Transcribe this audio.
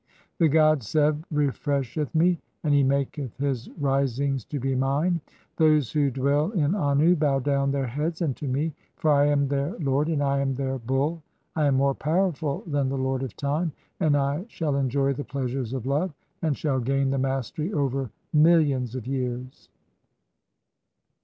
The god Seb refresheth "me, and he maketh his risings to be mine. Those who dwell "in Annu (i3) bow down their heads unto me, for I am their "lord and I am their bull. I am more powerful than the lord "of time, and I shall enjoy the pleasures of love, and shall gain "the mastery over millions of years."